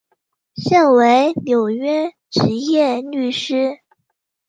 现为纽约执业律师。